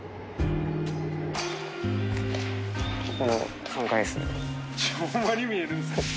ここの３階ですね。